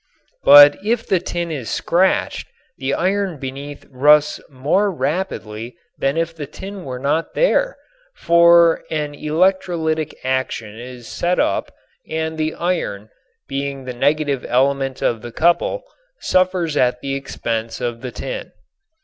But if the tin is scratched the iron beneath rusts more rapidly than if the tin were not there, for an electrolytic action is set up and the iron, being the negative element of the couple, suffers at the expense of the tin.